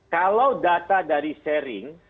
kalau data dari sharing